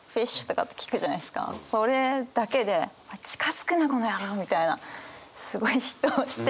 それだけで近づくなこのやろう！みたいなすごい嫉妬をして。